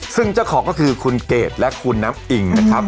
ซึ่งเจ้าของก็คือคุณเกดและคุณน้ำอิ่งนะครับ